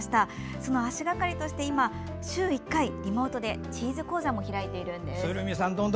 その足がかりとして今週１回、リモートでチーズ講座も開いているんです。